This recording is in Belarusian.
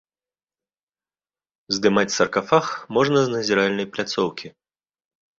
Здымаць саркафаг можна з назіральнай пляцоўкі.